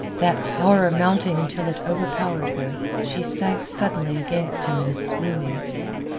That horror mounting until it overpowered her, she sank suddenly against him in a swoon.